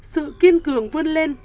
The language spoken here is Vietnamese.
sự kiên cường vươn lên